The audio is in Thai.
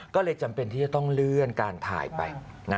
ก็เลยจำเป็นที่จะต้องเลื่อนการถ่ายไป